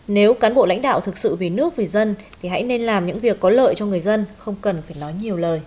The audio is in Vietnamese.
nếu cán bộ lãnh đạo thực sự vì nước vì dân thì hãy nên làm những việc có lợi cho người dân không cần phải nói nhiều lời